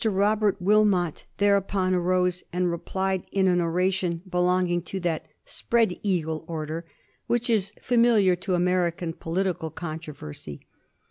Robert Wilniot thereupon arose, and replied in an oration belonging to that " spread eagle " order which is familiar to American political controversy.